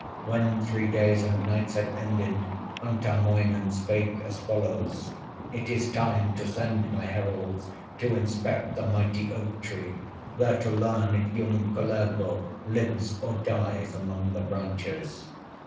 When three days and nights had ended, Untamoinen spake as follows: "It is time to send my heralds To inspect the mighty oak tree, There to learn if young Kullervo Lives or dies among the branches."